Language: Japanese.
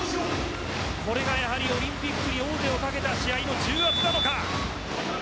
これが、やはりオリンピックに王手をかけた試合の重圧なのか。